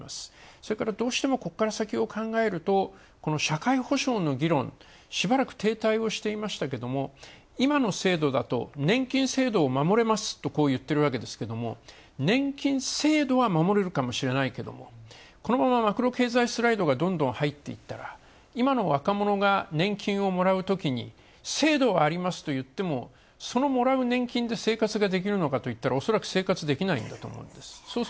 それからどうしてもここから先を考えると社会保障の議論、しばらく停滞をしていましたけども今の制度だと年金制度を守れますと、こう言っているわけですけれども年金制度は守れるかもしれないけれどもこのままマクロ経済スライドがどんどん入っていったら、今の若者が年金をもらうときに制度がありますといってもそのもらう年金で生活ができるのかといったらおそらく生活できないんだと思います。